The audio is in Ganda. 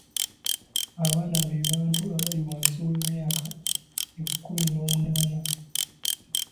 Abaana be bantu abali wansi w'emyaka ekkuminoomunaana.